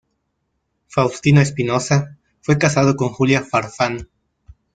Faustino Espinoza fue casado con Julia Farfán.